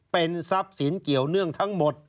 เป็นทรัพย์สินเกี่ยวเนื่องทั้งหมด